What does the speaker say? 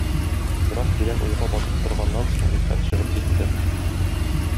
Бераз тирән уйга батып торганнан соң Мидхәт чыгып китте.